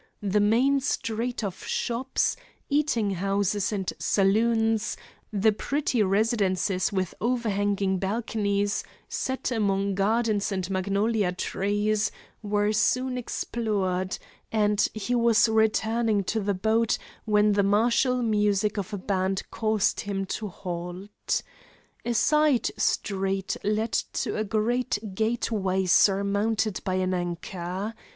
The main street of shops, eating houses, and saloons, the pretty residences with overhanging balconies, set among gardens and magnolia trees, were soon explored, and he was returning to the boat when the martial music of a band caused him to halt. A side street led to a great gateway surmounted by an anchor.